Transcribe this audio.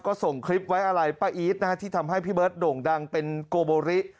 ก็ส่งคลิปไว้อะไรป้าอีทนะฮะที่ทำให้พี่เบิร์ตโด่งดังเป็นโกโบริ